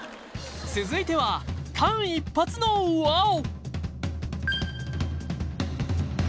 続いては間一髪のウワォ！